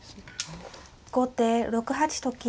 後手６八と金。